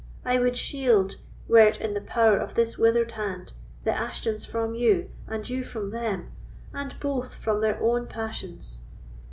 I would shield, were it in the power of this withered hand, the Ashtons from you, and you from them, and both from their own passions.